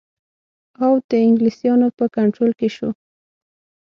اَوَد د انګلیسیانو په کنټرول کې شو.